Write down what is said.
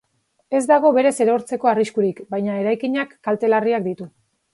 Ez dago berez erortzeko arriskurik, baina eraikinak kalte larriak ditu.